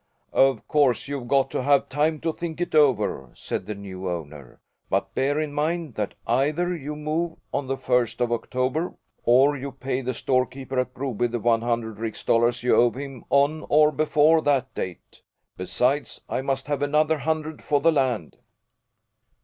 "Of course you've got to have time to think it over," said the new owner. "But bear in mind that either you move on the first of October or you pay the storekeeper at Broby the one hundred rix dollars you owe him on or before that date. Besides, I must have another hundred for the land."